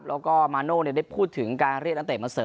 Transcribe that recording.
แล้วก็มาโน่ได้พูดถึงการเรียกนักเตะมาเสริม